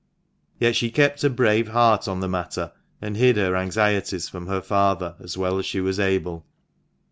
Yet she kept a brave heart on the matter, and hid her anxieties from her father as well as she was able.